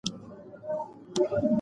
بوټي لرونکي غوړي اړین نه دي.